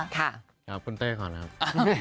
ครับคุณเต้ก่อนครับ